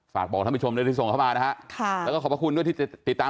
ฝากบอกท่านผู้ชมด้วยที่ส่งเข้ามานะฮะค่ะแล้วก็ขอบพระคุณด้วยที่จะติดตาม